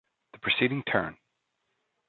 The preceding Turn!